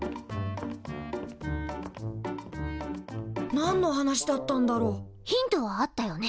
なんの話だったんだろう？ヒントはあったよね。